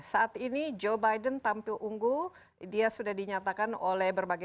saat ini joe biden tampil unggul dia sudah dinyatakan oleh berbagai